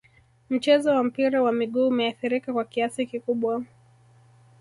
mchezo wa mpira wa miguu umeathirika kwa kiasi kikubwa